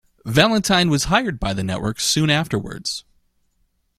Valentine was hired by the network soon afterwards.